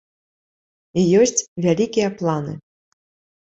І ёсць вялікія планы.